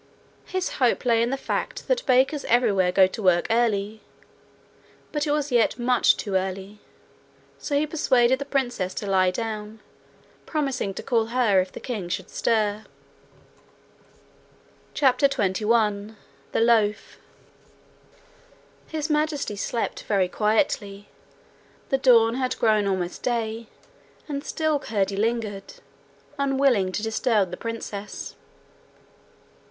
His hope lay in the fact that bakers everywhere go to work early. But it was yet much too early. So he persuaded the princess to lie down, promising to call her if the king should stir. CHAPTER 21 The Loaf His Majesty slept very quietly. The dawn had grown almost day, and still Curdie lingered, unwilling to disturb the princess.